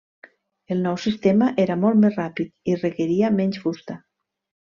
El nou sistema era molt més ràpid i requeria menys fusta.